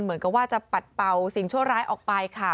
เหมือนกับว่าจะปัดเป่าสิ่งชั่วร้ายออกไปค่ะ